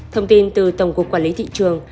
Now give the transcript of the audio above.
thông tin từ tổng cục quản lý thị trường